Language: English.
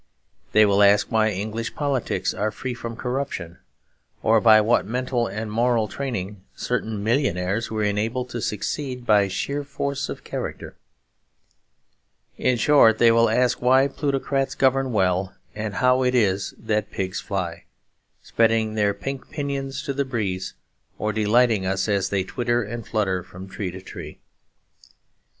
They will ask why English politics are free from corruption; or by what mental and moral training certain millionaires were enabled to succeed by sheer force of character; in short, they will ask why plutocrats govern well and how it is that pigs fly, spreading their pink pinions to the breeze or delighting us as they twitter and flutter from tree to tree.